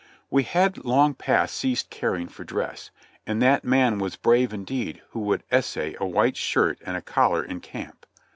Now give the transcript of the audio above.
We had long past ceased caring for dress, and that man was brave indeed who would essay a white shirt and collar in camp.